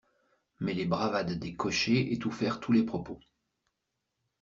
Mais les bravades des cochers étouffèrent tous les propos.